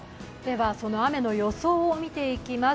その雨の予想を見ていきます。